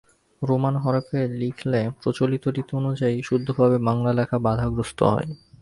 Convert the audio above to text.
Roman হরফে লিখলে প্রচলিত রীতি অনুযায়ী শুদ্ধভাবে বাংলা লেখা বাধাগ্রস্ত হয়।